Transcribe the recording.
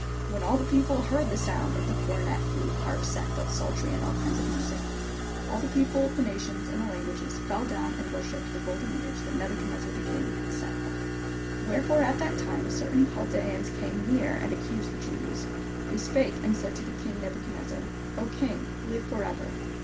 S02 DANIEL THE FEARLESS all the people heard the sound of the cornet, flute, harp, sackbut, psaltery, and all kinds of music, all the peo ple, the nations, and the languages, fell down and wor shipped the golden image that Nebuchadnezzar the king had set up. Wherefore at that time certain Chaldeans came near, and accused the Jews. They spake and said to the king Nebuchadnezzar: "O king, Hve for ever.